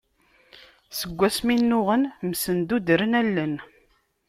Seg asmi nnuɣen, msendudren allen.